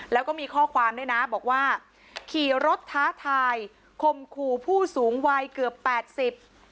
แล้วก็มีข้อความด้วยนะบอกว่าขี่รถท้าทายคมขู่ผู้สูงวัยเกือบแปดสิบ